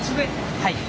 はい。